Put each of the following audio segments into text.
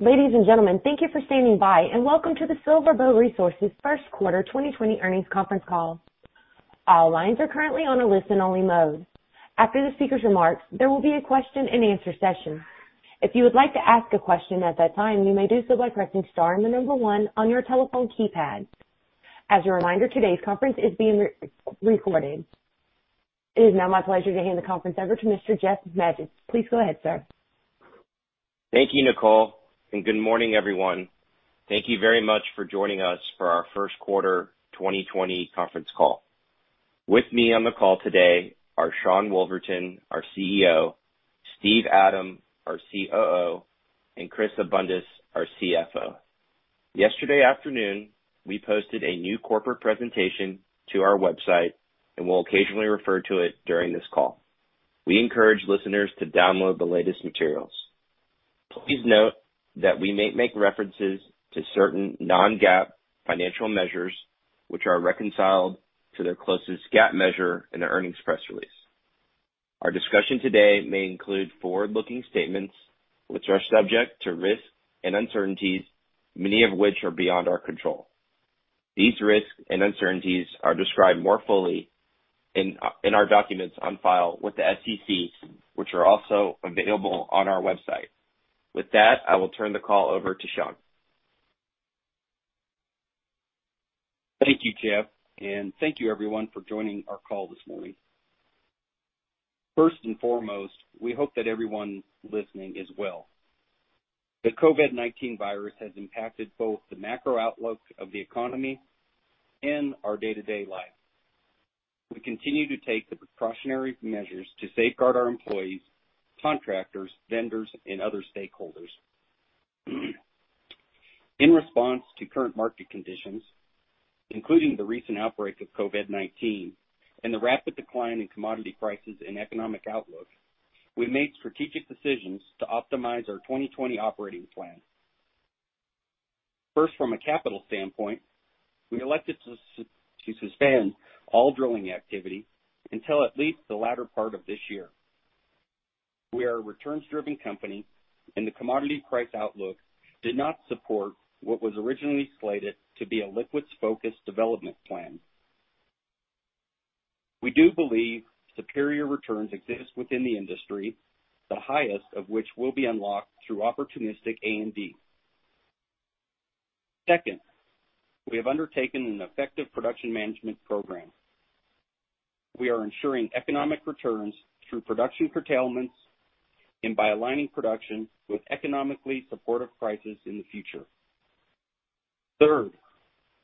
Ladies and gentlemen, thank you for standing by and welcome to the SilverBow Resources Q1 2020 earnings conference call. All lines are currently on a listen-only mode. After the speaker's remarks, there will be a question-and-answer session. If you would like to ask a question at that time, you may do so by pressing star and the number one on your telephone keypad. As a reminder, today's conference is being recorded. It is now my pleasure to hand the conference over to Mr. Jeff Magids. Please go ahead, sir. Thank you, Nicole, good morning, everyone. Thank you very much for joining us for our Q1 2020 conference call. With me on the call today are Sean Woolverton, our CEO, Steve Adam, our COO, and Chris Abundis, our CFO. Yesterday afternoon, we posted a new corporate presentation to our website and will occasionally refer to it during this call. We encourage listeners to download the latest materials. Please note that we may make references to certain non-GAAP financial measures, which are reconciled to their closest GAAP measure in the earnings press release. Our discussion today may include forward-looking statements, which are subject to risks and uncertainties, many of which are beyond our control. These risks and uncertainties are described more fully in our documents on file with the SEC, which are also available on our website. With that, I will turn the call over to Sean. Thank you, Jeff, and thank you everyone for joining our call this morning. First and foremost, we hope that everyone listening is well. The COVID-19 virus has impacted both the macro outlook of the economy and our day-to-day life. We continue to take the precautionary measures to safeguard our employees, contractors, vendors, and other stakeholders. In response to current market conditions, including the recent outbreak of COVID-19 and the rapid decline in commodity prices and economic outlook, we made strategic decisions to optimize our 2020 operating plan. First, from a capital standpoint, we elected to suspend all drilling activity until at least the latter part of this year. We are a returns-driven company, and the commodity price outlook did not support what was originally slated to be a liquids-focused development plan. We do believe superior returns exist within the industry, the highest of which will be unlocked through opportunistic A&D. Second, we have undertaken an effective production management program. We are ensuring economic returns through production curtailments and by aligning production with economically supportive prices in the future. Third,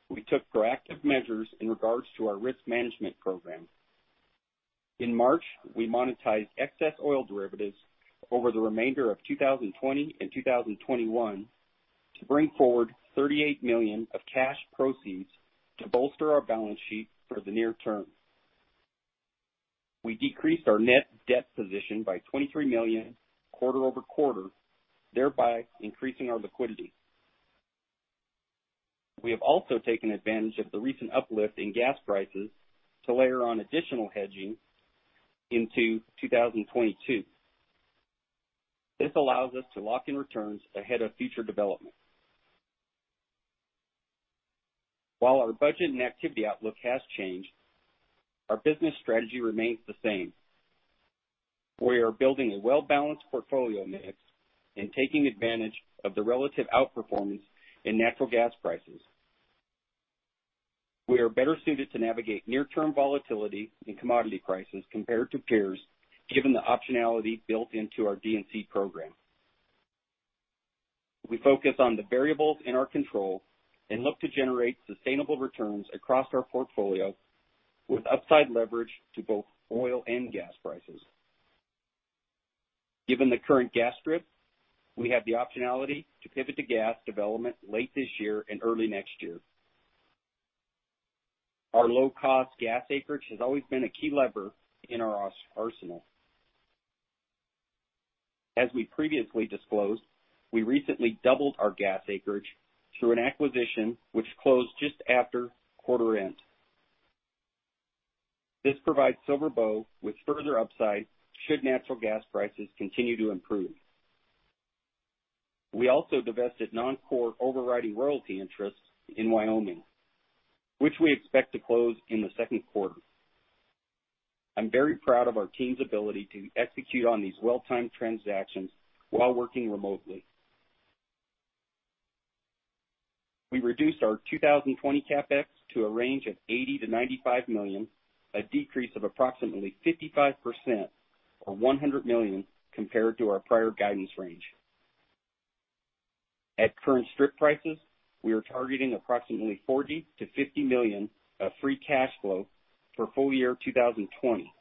we took proactive measures in regards to our risk management program. In March, we monetized excess oil derivatives over the remainder of 2020 and 2021 to bring forward $38 million of cash proceeds to bolster our balance sheet for the near term. We decreased our net debt position by $23 million quarter-over-quarter, thereby increasing our liquidity. We have also taken advantage of the recent uplift in gas prices to layer on additional hedging into 2022. This allows us to lock in returns ahead of future development. While our budget and activity outlook has changed, our business strategy remains the same. We are building a well-balanced portfolio mix and taking advantage of the relative outperformance in natural gas prices. We are better suited to navigate near-term volatility in commodity prices compared to peers, given the optionality built into our D&C program. We focus on the variables in our control and look to generate sustainable returns across our portfolio with upside leverage to both oil and gas prices. Given the current gas strip, we have the optionality to pivot to gas development late this year and early next year. Our low-cost gas acreage has always been a key lever in our arsenal. As we previously disclosed, we recently doubled our gas acreage through an acquisition which closed just after quarter-end. This provides SilverBow with further upside should natural gas prices continue to improve. We also divested non-core overriding royalty interests in Wyoming, which we expect to close in the Q2. I'm very proud of our team's ability to execute on these well-timed transactions while working remotely. We reduced our 2020 CapEx to a range of $80 million-$95 million, a decrease of approximately 55% or $100 million compared to our prior guidance range. At current strip prices, we are targeting approximately $40 million-$50 million of free cash flow for full-year 2020.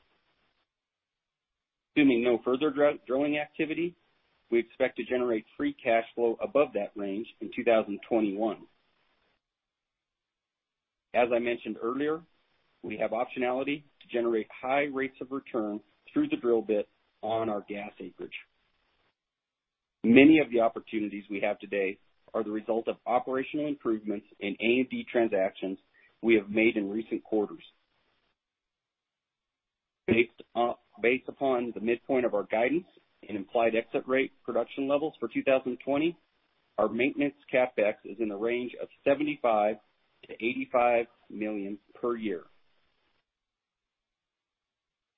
Assuming no further drilling activity, we expect to generate free cash flow above that range in 2021. As I mentioned earlier, we have optionality to generate high rates of return through the drill bit on our gas acreage. Many of the opportunities we have today are the result of operational improvements in A&D transactions we have made in recent quarters. Based upon the midpoint of our guidance and implied exit rate production levels for 2020, our maintenance CapEx is in the range of $75 million-$85 million per year.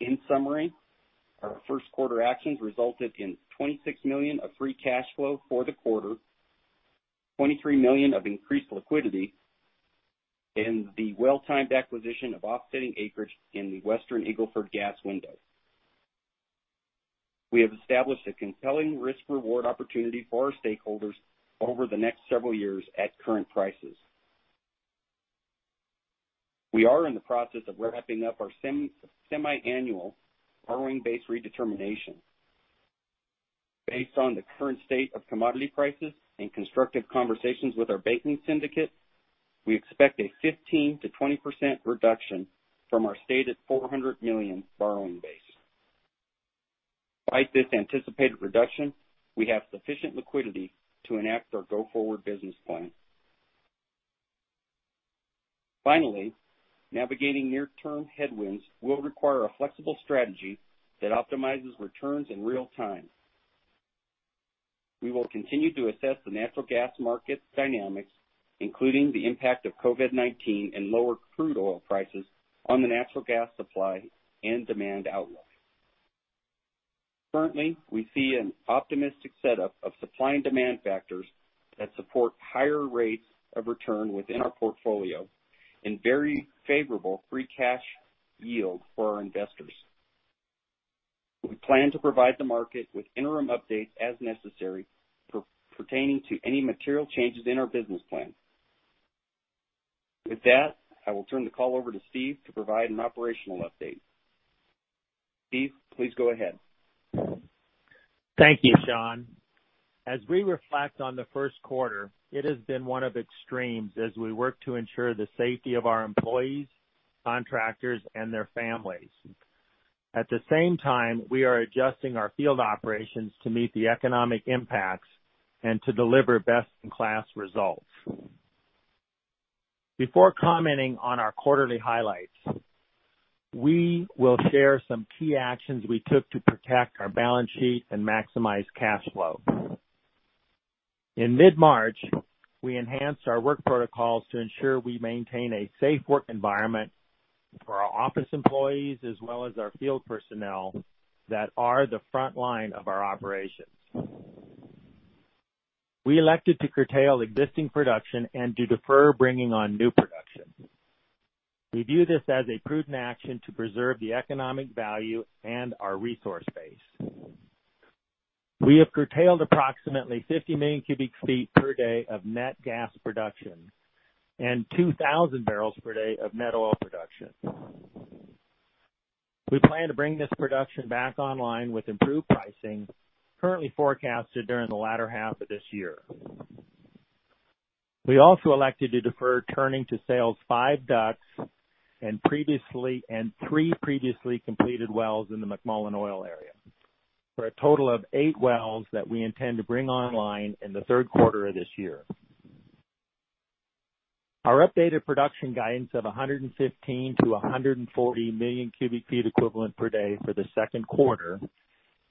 In summary, our Q1 actions resulted in $26 million of free cash flow for the quarter, $23 million of increased liquidity, and the well-timed acquisition of offsetting acreage in the Western Eagle Ford Gas Window. We have established a compelling risk-reward opportunity for our stakeholders over the next several years at current prices. We are in the process of wrapping up our semiannual borrowing base redetermination. Based on the current state of commodity prices and constructive conversations with our banking syndicate, we expect a 15%-20% reduction from our stated $400 million borrowing base. Despite this anticipated reduction, we have sufficient liquidity to enact our go-forward business plan. Finally, navigating near-term headwinds will require a flexible strategy that optimizes returns in real time. We will continue to assess the natural gas market dynamics, including the impact of COVID-19 and lower crude oil prices on the natural gas supply and demand outlook. Currently, we see an optimistic setup of supply and demand factors that support higher rates of return within our portfolio and very favorable free cash yield for our investors. We plan to provide the market with interim updates as necessary pertaining to any material changes in our business plan. With that, I will turn the call over to Steve to provide an operational update. Steve, please go ahead. Thank you, Sean. As we reflect on the Q1, it has been one of extremes as we work to ensure the safety of our employees, contractors, and their families. At the same time, we are adjusting our field operations to meet the economic impacts and to deliver best-in-class results. Before commenting on our quarterly highlights, we will share some key actions we took to protect our balance sheet and maximize cash flow. In mid-March, we enhanced our work protocols to ensure we maintain a safe work environment for our office employees as well as our field personnel that are the front line of our operations. We elected to curtail existing production and to defer bringing on new production. We view this as a prudent action to preserve the economic value and our resource base. We have curtailed approximately 50 million cubic feet per day of net gas production and 2,000 barrels per day of net oil production. We plan to bring this production back online with improved pricing currently forecasted during the latter half of this year. We also elected to defer turning to sales five DUCs and three previously completed wells in the McMullen Oil area for a total of eight wells that we intend to bring online in the Q3 of this year. Our updated production guidance of 115-140 million cubic feet equivalent per day for the Q2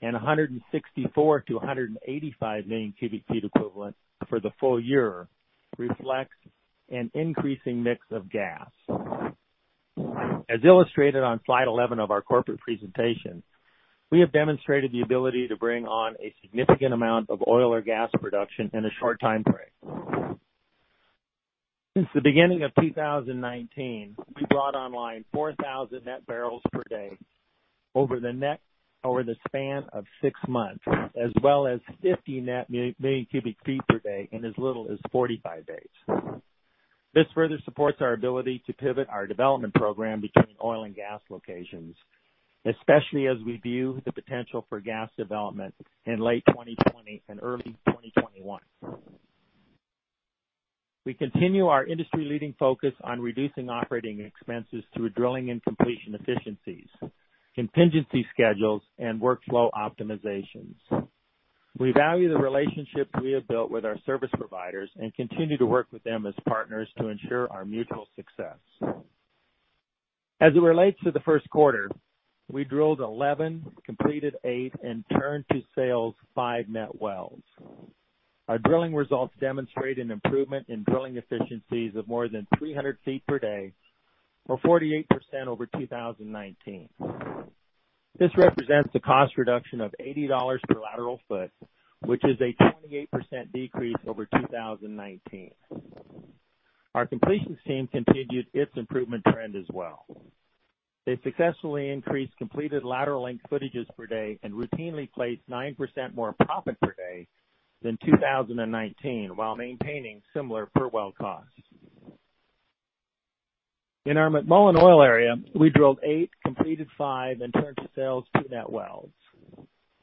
and 164-185 million cubic feet equivalent for the full year reflects an increasing mix of gas. As illustrated on slide 11 of our corporate presentation, we have demonstrated the ability to bring on a significant amount of oil or gas production in a short time frame. Since the beginning of 2019, we brought online 4,000 net barrels per day over the span of six months, as well as 50 net million cubic feet per day in as little as 45 days. This further supports our ability to pivot our development program between oil and gas locations, especially as we view the potential for gas development in late 2020 and early 2021. We continue our industry-leading focus on reducing operating expenses through drilling and completion efficiencies, contingency schedules, and workflow optimizations. We value the relationships we have built with our service providers and continue to work with them as partners to ensure our mutual success. As it relates to the Q1, we drilled 11, completed eight, and turned to sales five net wells. Our drilling results demonstrate an improvement in drilling efficiencies of more than 300 feet per day or 48% over 2019. This represents a cost reduction of $80 per lateral foot, which is a 28% decrease over 2019. Our completions team continued its improvement trend as well. They successfully increased completed lateral length footages per day and routinely placed 9% more proppant per day than 2019 while maintaining similar per-well costs. In our McMullen Oil area, we drilled eight, completed five, and turned to sales two net wells.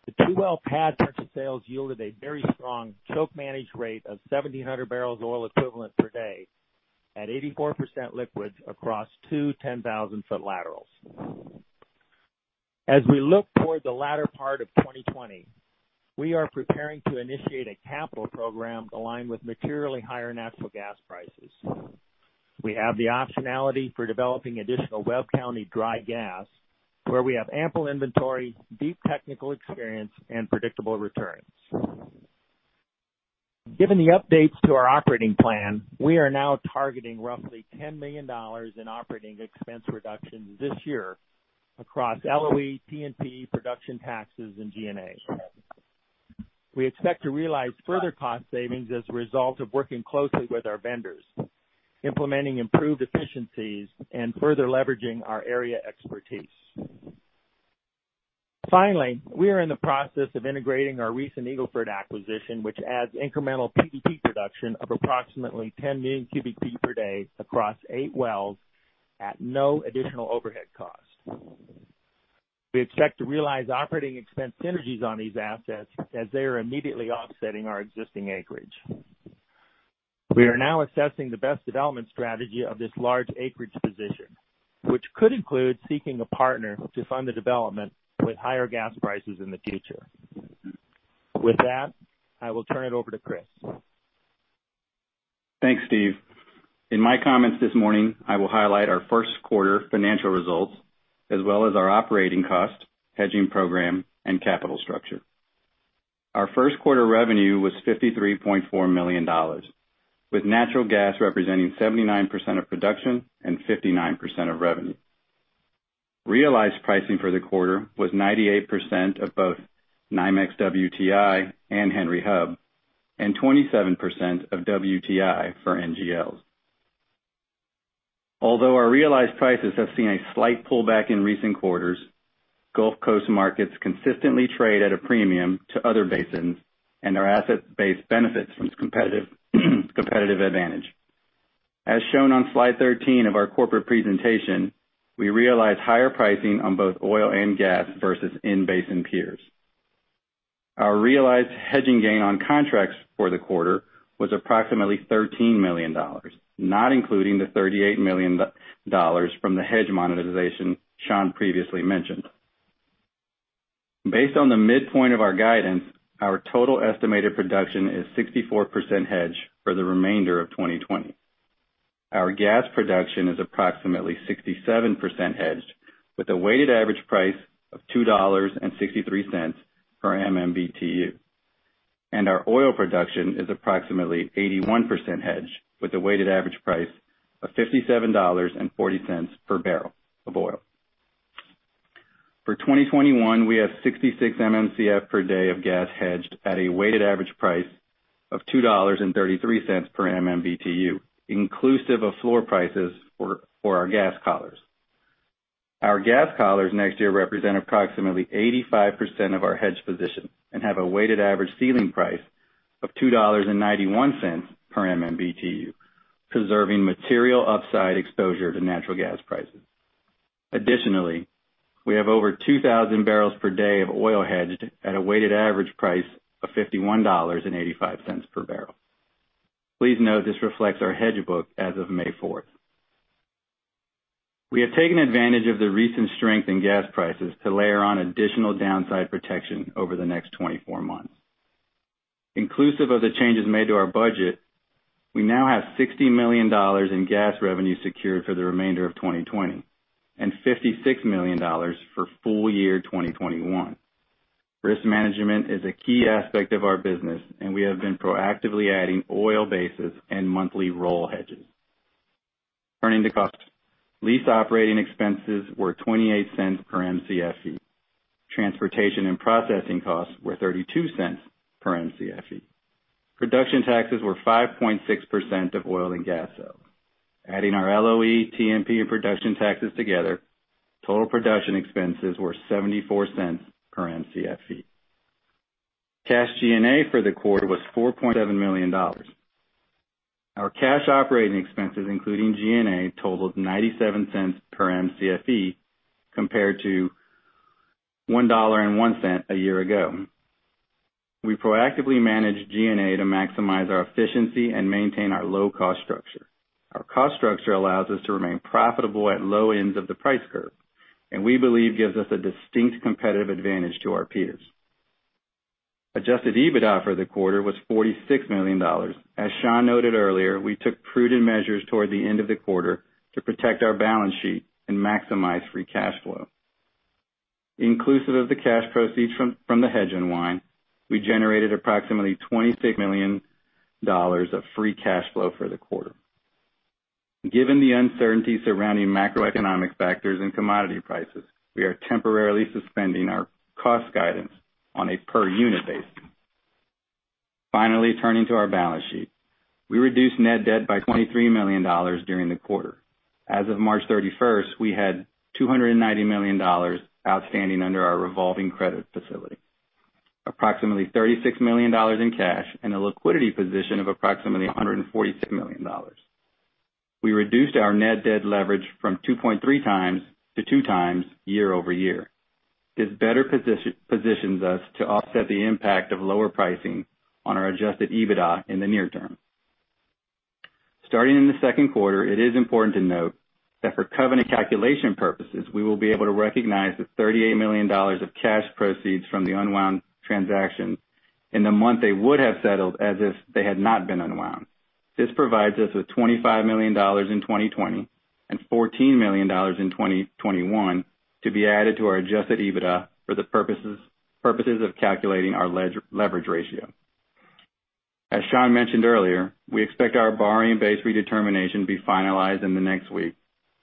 The two-well pad turned to sales yielded a very strong choke-managed rate of 1,700 barrels of oil equivalent per day at 84% liquids across two 10,000-foot laterals. As we look toward the latter part of 2020, we are preparing to initiate a capital program aligned with materially higher natural gas prices. We have the optionality for developing additional Webb County dry gas, where we have ample inventory, deep technical experience, and predictable returns. Given the updates to our operating plan, we are now targeting roughly $10 million in operating expense reductions this year across LOE, T&P, production taxes, and G&A. We expect to realize further cost savings as a result of working closely with our vendors, implementing improved efficiencies, and further leveraging our area expertise. Finally, we are in the process of integrating our recent Eagle Ford acquisition, which adds incremental PDP production of approximately 10 million cubic feet per day across eight wells at no additional overhead cost. We expect to realize operating expense synergies on these assets as they are immediately offsetting our existing acreage. We are now assessing the best development strategy of this large acreage position, which could include seeking a partner to fund the development with higher gas prices in the future. With that, I will turn it over to Chris. Thanks, Steve. In my comments this morning, I will highlight our Q1 financial results, as well as our operating cost, hedging program, and capital structure. Our Q1 revenue was $53.4 million, with natural gas representing 79% of production and 59% of revenue. Realized pricing for the quarter was 98% of both NYMEX WTI and Henry Hub, and 27% of WTI for NGLs. Although our realized prices have seen a slight pullback in recent quarters, Gulf Coast markets consistently trade at a premium to other basins, and our asset base benefits from its competitive advantage. As shown on slide 13 of our corporate presentation, we realize higher pricing on both oil and gas versus in-basin peers. Our realized hedging gain on contracts for the quarter was approximately $13 million, not including the $38 million from the hedge monetization Sean previously mentioned. Based on the midpoint of our guidance, our total estimated production is 64% hedged for the remainder of 2020. Our gas production is approximately 67% hedged, with a weighted average price of $2.63 per MMBtu. Our oil production is approximately 81% hedged, with a weighted average price of $57.40 per barrel of oil. For 2021, we have 66 MMcf per day of gas hedged at a weighted average price of $2.33 per MMBtu, inclusive of floor prices for our gas collars. Our gas collars next year represent approximately 85% of our hedged position and have a weighted average ceiling price of $2.91 per MMBtu, preserving material upside exposure to natural gas prices. Additionally, we have over 2,000 barrels per day of oil hedged at a weighted average price of $51.85 per barrel. Please note this reflects our hedge book as of May 4th. We have taken advantage of the recent strength in gas prices to layer on additional downside protection over the next 24 months. Inclusive of the changes made to our budget, we now have $60 million in gas revenue secured for the remainder of 2020, and $56 million for full year 2021. Risk management is a key aspect of our business, and we have been proactively adding oil basis and monthly roll hedges. Turning to costs. Lease operating expenses were $0.28 per Mcfe. Transportation and Processing costs were $0.32 per Mcfe. Production taxes were 5.6% of oil and gas sold. Adding our LOE, T&P, and production taxes together, total production expenses were $0.74 per Mcfe. Cash G&A for the quarter was $4.7 million. Our cash operating expenses, including G&A, totaled $0.97 per Mcfe compared to $1.01 a year ago. We proactively manage G&A to maximize our efficiency and maintain our low-cost structure. Our cost structure allows us to remain profitable at low ends of the price curve, and we believe gives us a distinct competitive advantage to our peers. Adjusted EBITDA for the quarter was $46 million. As Sean noted earlier, we took prudent measures toward the end of the quarter to protect our balance sheet and maximize free cash flow. Inclusive of the cash proceeds from the hedge unwind, we generated approximately $26 million of free cash flow for the quarter. Given the uncertainty surrounding macroeconomic factors and commodity prices, we are temporarily suspending our cost guidance on a per-unit basis. Finally, turning to our balance sheet. We reduced net debt by $23 million during the quarter. As of March 31st, we had $290 million outstanding under our revolving credit facility, approximately $36 million in cash, and a liquidity position of approximately $146 million. We reduced our net debt leverage from 2.3x-2x year-over-year. This better positions us to offset the impact of lower pricing on our Adjusted EBITDA in the near term. Starting in the Q2, it is important to note that for covenant calculation purposes, we will be able to recognize the $38 million of cash proceeds from the unwind transaction. In the month they would have settled as if they had not been unwound. This provides us with $25 million in 2020 and $14 million in 2021 to be added to our Adjusted EBITDA for the purposes of calculating our leverage ratio. As Sean mentioned earlier, we expect our borrowing base redetermination to be finalized in the next week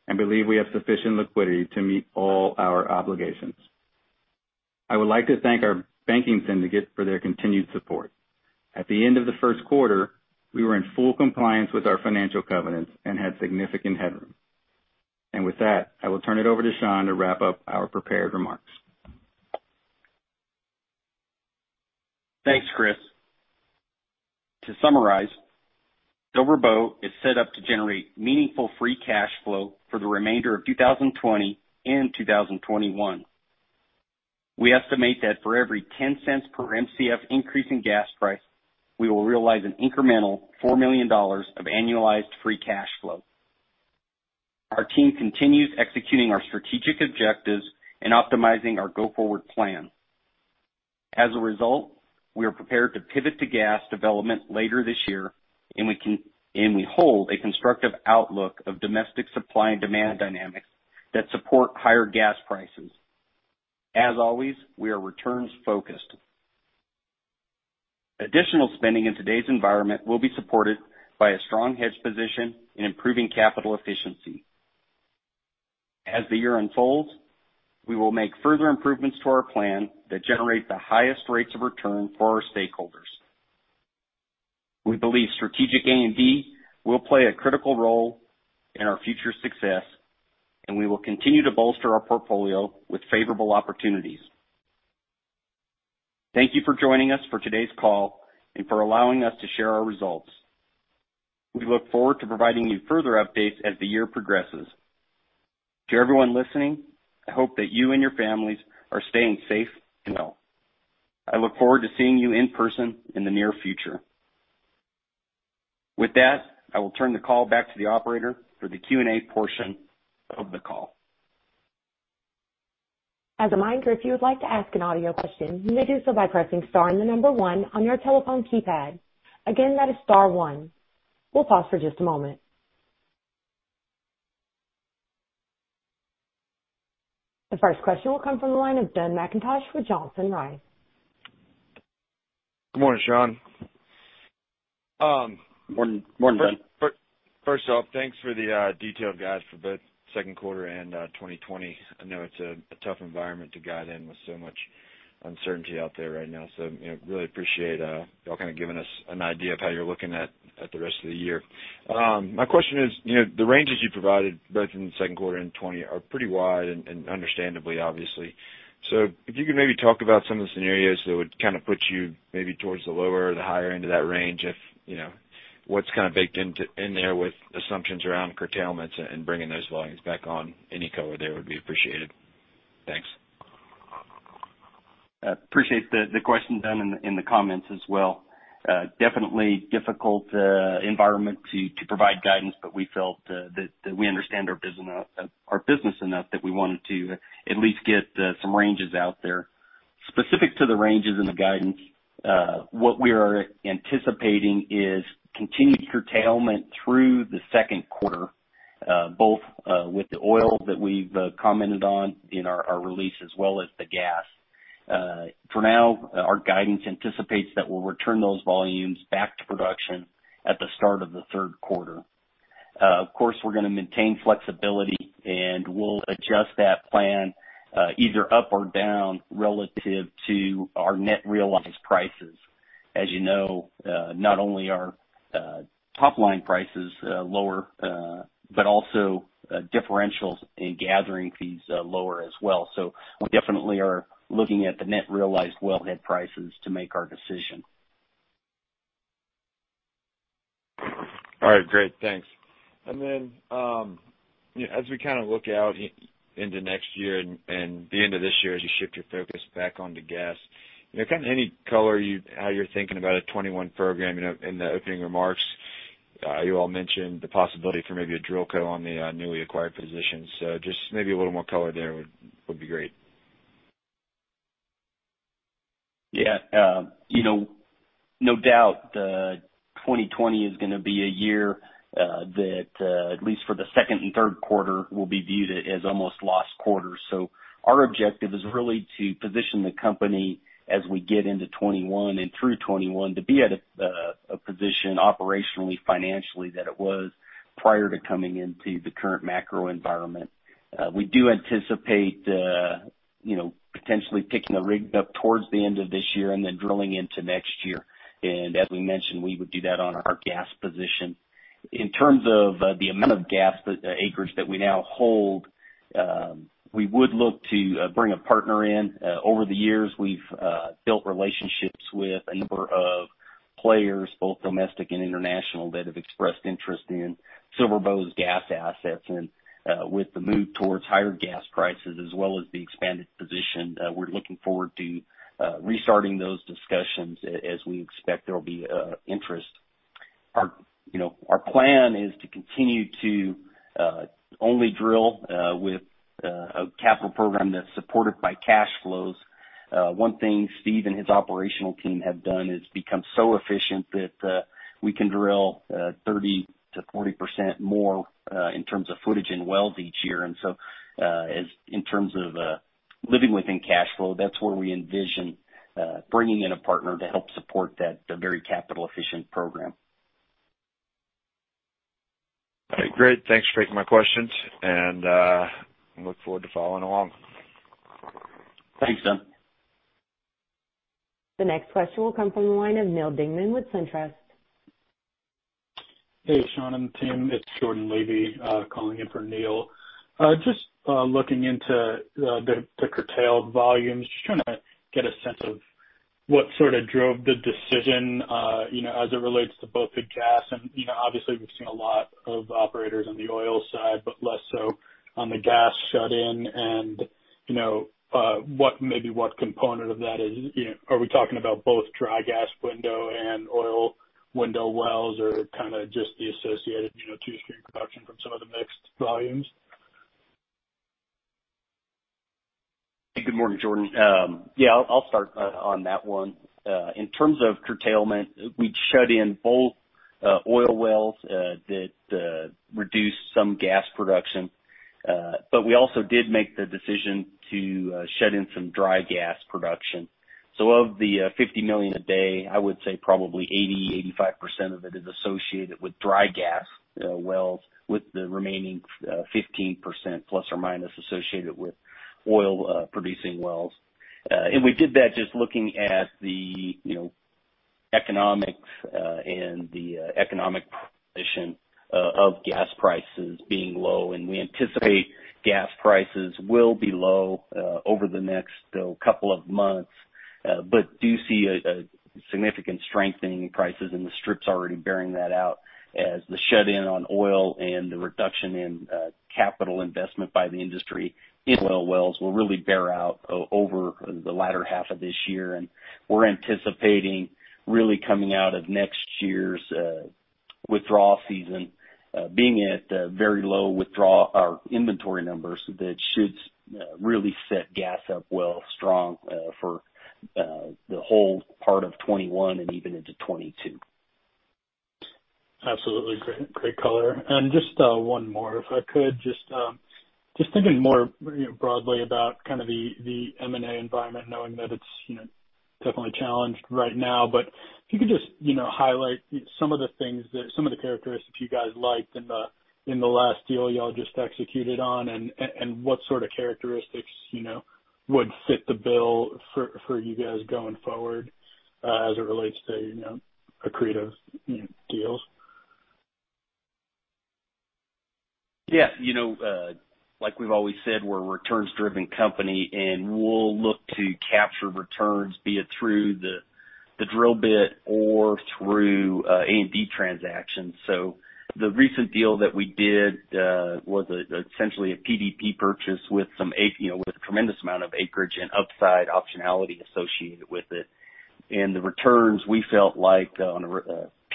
and believe we have sufficient liquidity to meet all our obligations. I would like to thank our banking syndicate for their continued support. At the end of the Q1, we were in full compliance with our financial covenants and had significant headroom. With that, I will turn it over to Sean to wrap up our prepared remarks. Thanks, Chris. To summarize, SilverBow is set up to generate meaningful free cash flow for the remainder of 2020 and 2021. We estimate that for every $0.10 per Mcf increase in gas price, we will realize an incremental $4 million of annualized free cash flow. Our team continues executing our strategic objectives and optimizing our go-forward plan. As a result, we are prepared to pivot to gas development later this year, and we hold a constructive outlook of domestic supply and demand dynamics that support higher gas prices. As always, we are returns-focused. Additional spending in today's environment will be supported by a strong hedge position and improving capital efficiency. As the year unfolds, we will make further improvements to our plan that generate the highest rates of return for our stakeholders. We believe strategic A&D will play a critical role in our future success, and we will continue to bolster our portfolio with favorable opportunities. Thank you for joining us for today's call and for allowing us to share our results. We look forward to providing you further updates as the year progresses. To everyone listening, I hope that you and your families are staying safe and well. I look forward to seeing you in person in the near future. With that, I will turn the call back to the operator for the Q&A portion of the call. As a reminder, if you would like to ask an audio question, you may do so by pressing star and the number one on your telephone keypad. Again, that is star one. We'll pause for just a moment. The first question will come from the line of Ben McIntosh with Johnson Rice. Good morning, Sean. Morning, Ben. Thanks for the detailed guide for both Q2 and 2020. I know it's a tough environment to guide in with so much uncertainty out there right now. Really appreciate you all giving us an idea of how you're looking at the rest of the year. My question is, the ranges you provided both in the Q2 and 2020 are pretty wide, and understandably, obviously. If you could maybe talk about some of the scenarios that would put you maybe towards the lower or the higher end of that range, what's baked in there with assumptions around curtailments and bringing those volumes back on. Any color there would be appreciated. Thanks. Appreciate the question, Ben, and the comments as well. Definitely difficult environment to provide guidance, but we felt that we understand our business enough that we wanted to at least get some ranges out there. Specific to the ranges in the guidance, what we are anticipating is continued curtailment through the Q2, both with the oil that we've commented on in our release as well as the gas. For now, our guidance anticipates that we'll return those volumes back to production at the start of the Q3. Of course, we're going to maintain flexibility, and we'll adjust that plan either up or down relative to our net realized prices. As you know, not only are top-line prices lower, but also differentials in gathering fees are lower as well. We definitely are looking at the net realized wellhead prices to make our decision. All right, great. Thanks. As we look out into next year and the end of this year, as you shift your focus back onto gas, any color how you're thinking about a 2021 program? In the opening remarks, you all mentioned the possibility for maybe a DrillCo on the newly acquired positions. Just maybe a little more color there would be great. Yeah. No doubt, 2020 is going to be a year that, at least for the Q2 and Q3, will be viewed as almost lost quarters. Our objective is really to position the company as we get into 2021 and through 2021 to be at a position operationally, financially, that it was prior to coming into the current macro environment. We do anticipate potentially picking a rig up towards the end of this year and then drilling into next year. As we mentioned, we would do that on our gas position. In terms of the amount of gas acreage that we now hold, we would look to bring a partner in. Over the years, we've built relationships with a number of players, both domestic and international, that have expressed interest in SilverBow's gas assets. With the move towards higher gas prices as well as the expanded position, we're looking forward to restarting those discussions as we expect there will be interest. Our plan is to continue to only drill with a capital program that's supported by cash flows. One thing Steve and his operational team have done is become so efficient that we can drill 30%-40% more in terms of footage in wells each year. In terms of living within cash flow, that's where we envision bringing in a partner to help support that very capital efficient program. All right, great. Thanks for taking my questions, and I look forward to following along. Thanks, Ben. The next question will come from the line of Neal Dingmann with SunTrust. Hey, Sean and team. It's Jordan Levy calling in for Neal. Just looking into the curtailed volumes, just trying to get a sense of what sort of drove the decision as it relates to both the gas. Obviously, we've seen a lot of operators on the oil side, but less so on the gas shut-in and maybe what component of that is. Are we talking about both dry gas window and oil window wells, or kind of just the associated two-stream production from some of the mixed volumes? Good morning, Jordan. Yeah, I'll start on that one. In terms of curtailment, we'd shut in both oil wells that reduced some gas production. We also did make the decision to shut in some dry gas production. Of the 50 million a day, I would say probably 80%, 85% of it is associated with dry gas wells, with the remaining 15% ± associated with oil-producing wells. We did that just looking at the economics and the economic position of gas prices being low. We anticipate gas prices will be low over the next couple of months, but do see a significant strengthening in prices, and the strip's already bearing that out as the shut-in on oil and the reduction in capital investment by the industry in oil wells will really bear out over the latter half of this year. We're anticipating really coming out of next year's withdrawal season being at very low inventory numbers that should really set gas up well strong for the whole part of 2021 and even into 2022. Absolutely. Great color. Just one more, if I could. Just thinking more broadly about the M&A environment, knowing that it's definitely challenged right now, but if you could just highlight some of the things that, some of the characteristics you guys liked in the last deal you all just executed on, and what sort of characteristics would fit the bill for you guys going forward as it relates to accretive deals. Yeah. Like we've always said, we're a returns-driven company, and we'll look to capture returns, be it through the drill bit or through A&D transactions. The recent deal that we did was essentially a PDP purchase with a tremendous amount of acreage and upside optionality associated with it. The returns, we felt like, on a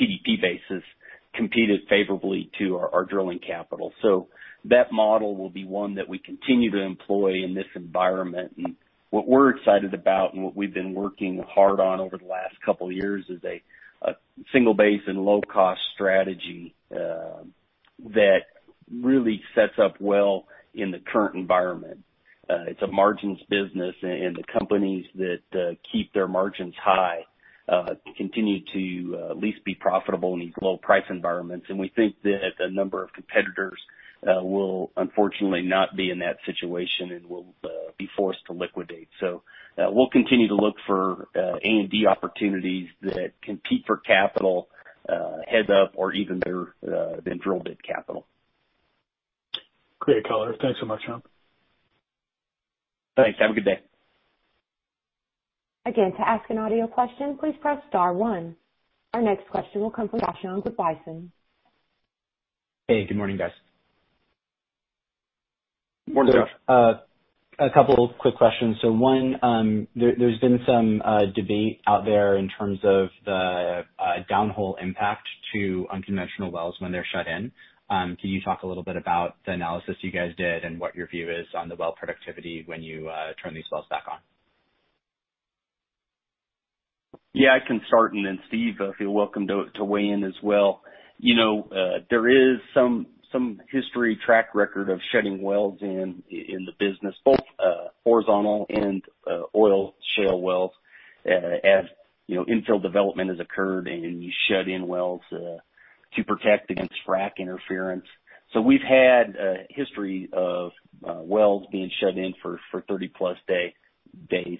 PDP basis, competed favorably to our drilling capital. That model will be one that we continue to employ in this environment. What we're excited about and what we've been working hard on over the last couple of years is a single base and low-cost strategy that really sets up well in the current environment. It's a margins business, and the companies that keep their margins high continue to at least be profitable in these low price environments. We think that a number of competitors will unfortunately not be in that situation and will be forced to liquidate. We'll continue to look for A&D opportunities that compete for capital heads up or even better than drill bit capital. Great color. Thanks so much, Sean. Thanks. Have a good day. Again, to ask an audio question, please press star one. Our next question will come from Josh Young with Bison. Hey, good morning, guys. Morning, Josh. A couple quick questions. One, there's been some debate out there in terms of the downhole impact to unconventional wells when they're shut in. Can you talk a little bit about the analysis you guys did and what your view is on the well productivity when you turn these wells back on? Yeah, I can start, and then Steve, feel welcome to weigh in as well. There is some history track record of shutting wells in in the business, both horizontal and oil shale wells. As infill development has occurred, and you shut in wells to protect against frack interference. We've had a history of wells being shut in for 30+ days.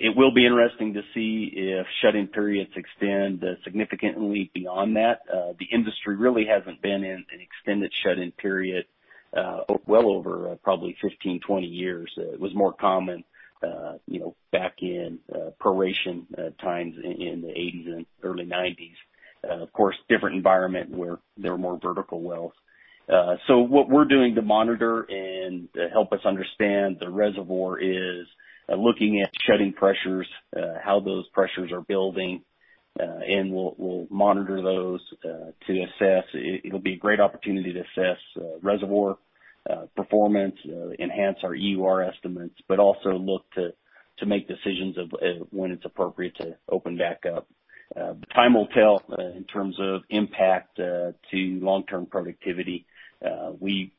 It will be interesting to see if shut-in periods extend significantly beyond that. The industry really hasn't been in an extended shut-in period well over probably 15, 20 years. It was more common back in proration times in the 1980s and early 1990s. Of course, different environment where there were more vertical wells. What we're doing to monitor and help us understand the reservoir is looking at shut-in pressures, how those pressures are building. We'll monitor those to assess. It'll be a great opportunity to assess reservoir performance, enhance our EUR estimates, also look to make decisions of when it's appropriate to open back up. Time will tell in terms of impact to long-term productivity. We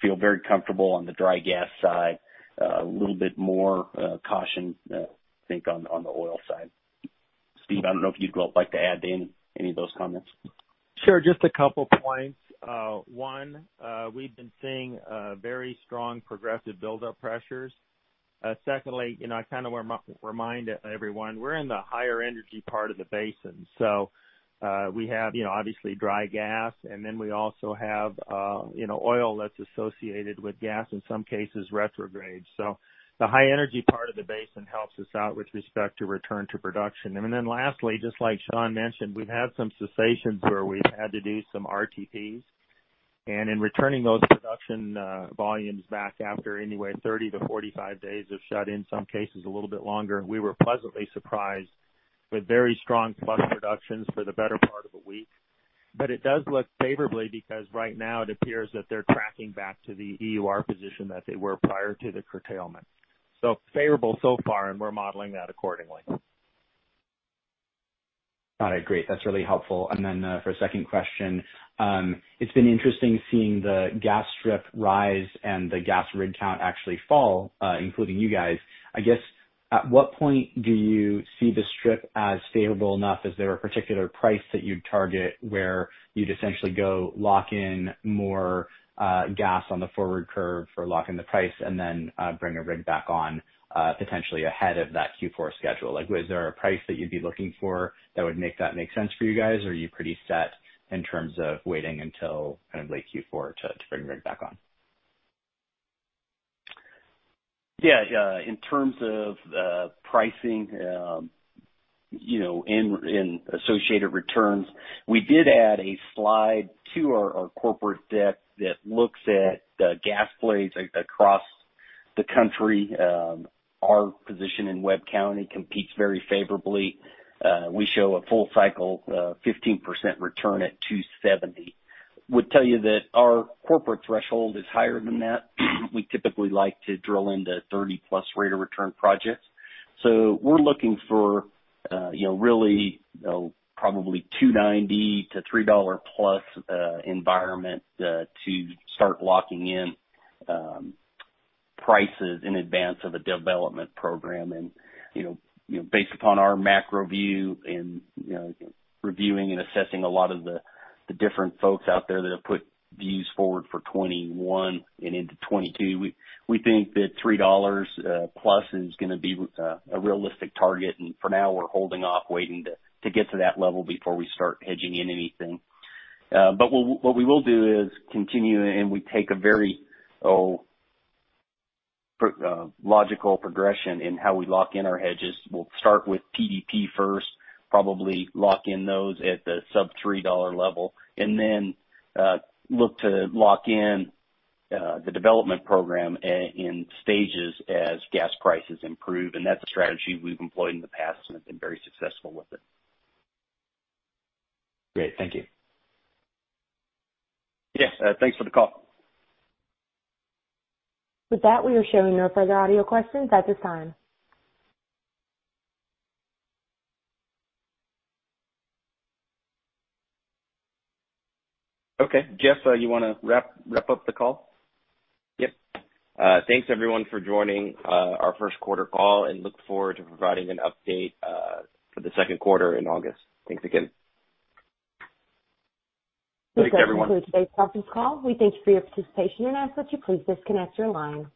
feel very comfortable on the dry gas side. A little bit more caution, I think, on the oil side. Steve, I don't know if you'd like to add to any of those comments. Sure. Just a couple points. One, we've been seeing very strong progressive buildup pressures. Secondly, I want to remind everyone, we're in the higher energy part of the basin, so we have obviously dry gas, and then we also have oil that's associated with gas, in some cases retrograde. The high energy part of the basin helps us out with respect to return to production. Lastly, just like Sean mentioned, we've had some cessations where we've had to do some RTPs. In returning those production volumes back after anywhere 30-45 days of shut in, some cases a little bit longer, we were pleasantly surprised with very strong flush productions for the better part of a week. It does look favorably because right now it appears that they're tracking back to the EUR position that they were prior to the curtailment. Favorable so far, and we're modeling that accordingly. Got it. Great. That's really helpful. For a second question, it's been interesting seeing the gas strip rise and the gas rig count actually fall, including you guys. I guess, at what point do you see the strip as favorable enough? Is there a particular price that you'd target where you'd essentially go lock in more gas on the forward curve or lock in the price and then bring a rig back on, potentially ahead of that Q4 schedule? Is there a price that you'd be looking for that would make that make sense for you guys? Or are you pretty set in terms of waiting until late Q4 to bring the rig back on? Yeah. In terms of pricing and associated returns, we did add a slide to our corporate deck that looks at gas plays across the country. Our position in Webb County competes very favorably. We show a full cycle, 15% return at $2.70. Would tell you that our corporate threshold is higher than that. We typically like to drill into 30+ rate of return projects. We're looking for really probably $2.90-$3+ environment to start locking in prices in advance of a development program. Based upon our macro view and reviewing and assessing a lot of the different folks out there that have put views forward for 2021 and into 2022, we think that $3+ is going to be a realistic target. For now, we're holding off waiting to get to that level before we start hedging in anything. What we will do is continue, and we take a very logical progression in how we lock in our hedges. We'll start with PDP first, probably lock in those at the sub-$3 level, and then look to lock in the development program in stages as gas prices improve. That's a strategy we've employed in the past and have been very successful with it. Great. Thank you. Yeah. Thanks for the call. With that, we are showing no further audio questions at this time. Okay. Jeff, you want to wrap up the call? Yep. Thanks everyone for joining our Q1 call, and look forward to providing an update for the Q2 in August. Thanks again. Thanks, everyone. That concludes today's conference call. We thank you for your participation and ask that you please disconnect your line.